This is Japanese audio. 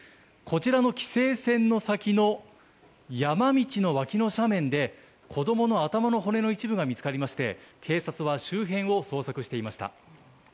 こちらの規制線の先の山道の脇の斜面で子供の頭の骨の一部が見つかりまして警察は周辺を捜索していました。